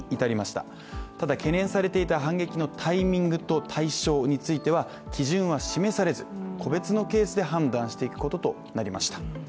ただ懸念されていた反撃のタイミングと対象については基準は示されず、個別のケースで判断していくこととなりました。